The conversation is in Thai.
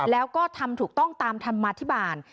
แล้วก็ทำถูกต้องตามธรรมาธิบาล